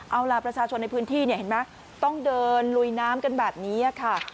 เอาล่ะประชาชนในพื้นที่เนี่ยเห็นไหมต้องเดินลุยน้ำกันแบบนี้ค่ะ